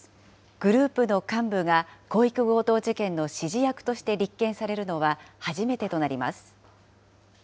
グループの幹部が広域強盗事件の指示役として立件されるのは初めてとなります。